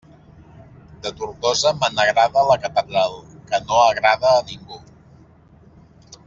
De Tortosa me n'agrada la catedral, que no agrada a ningú!